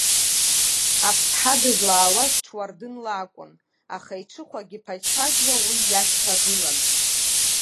Аԥсҳа дызлаауаз ҽуардынла акәын, аха иҽыхәагьы ԥаџьԥаџьуа уи иашьҭагылан.